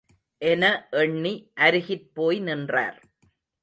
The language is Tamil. என எண்ணி அருகிற் போய் நின்றார்.